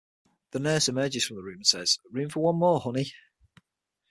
The nurse emerges from the room and says, Room for one more, honey.